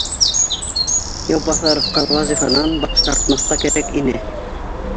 Яубаҫаровҡа вазифанан баш тартмаҫҡа кәрәк ине